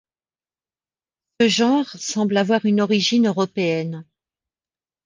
Ce genre semble avoir une origine européenne.